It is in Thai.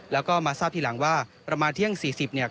แล้วก็มาทราบทีหลังว่าประมาณเที่ยง๔๐เนี่ย